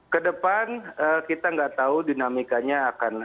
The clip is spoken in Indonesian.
ke depan kita nggak tahu dinamikanya akan